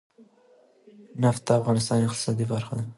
نفت د افغانستان د اقتصاد برخه ده.